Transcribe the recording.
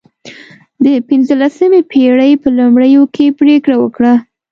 د پنځلسمې پېړۍ په لومړیو کې پرېکړه وکړه.